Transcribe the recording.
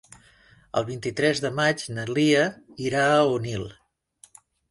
El vint-i-tres de maig na Lia irà a Onil.